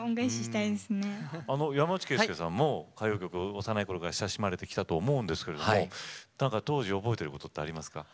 山内惠介さんの歌謡曲幼いころから親しまれてきたと思うんですけれど当時覚えていることはありますか。